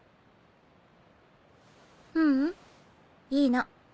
ううんいいの。